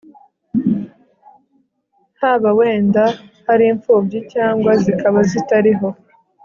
haba wenda hari impfubyi cyangwa zikaba zitariho